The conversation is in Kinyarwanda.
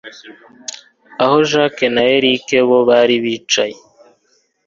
aho jack na erick bo bari bicaye